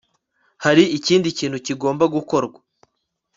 Hari ikindi kintu kigomba gukorwa